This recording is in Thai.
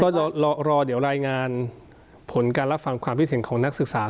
จะรอเดี๋ยวรายงานผลการรับฟังความคิดเห็นของนักศึกษา